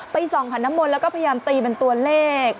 ส่องขันน้ำมนต์แล้วก็พยายามตีเป็นตัวเลข